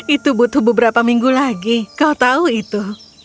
itu butuh beberapa minggu lagi kau tahu itu